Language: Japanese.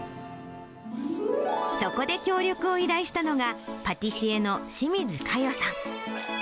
そこで協力を依頼したのが、パティシエの志水香代さん。